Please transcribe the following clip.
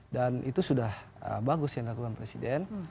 dan itu sudah bagus yang dilakukan presiden